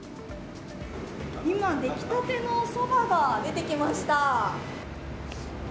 今、出来たてのそばが出てきました。